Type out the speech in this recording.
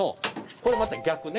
これまた逆ね。